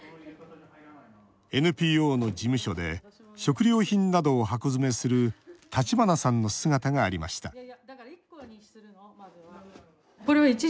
ＮＰＯの事務所で食料品などを箱詰めする橘さんの姿がありました